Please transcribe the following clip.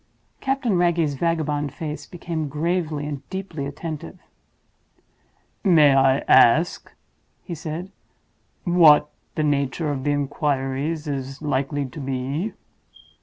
Captain Wragge's vagabond face became gravely and deeply attentive. "May I ask," he said, "what the nature of the inquiries is likely to be?"